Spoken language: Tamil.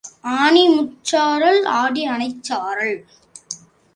ஆனி முற்சாரல் ஆடி அடைசாரல்.